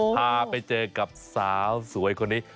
พาไปเจอกับสาวสวยคนนี้